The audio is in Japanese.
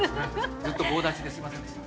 ずっと棒立ちですみませんでした。